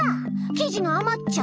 生地があまっちゃう。